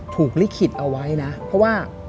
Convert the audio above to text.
ถูกลิขิตเอาไว้นะ